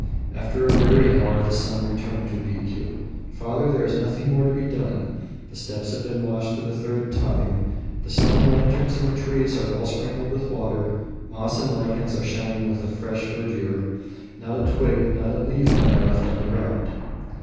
After a weary hour the son turned to Rikiu: "Father, there is nothing more to be done. The steps have been washed for the third time, the stone lanterns and the trees are well sprinkled with water, moss and lichens are shining with a fresh verdure; not a twig, not a leaf have I left on the ground."